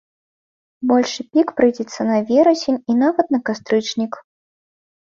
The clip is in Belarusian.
Большы пік прыйдзецца на верасень і нават на кастрычнік.